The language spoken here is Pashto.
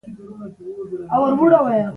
دا په سیمه کې د سولې او کرارۍ په خاطر وویل شول.